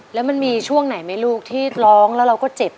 แล้วมันมีช่วงไหนไหมลูกที่ร้องแล้วเราก็เจ็บ